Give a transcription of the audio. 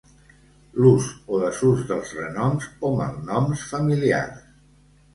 L’ús o desús dels renoms o malnoms familiars.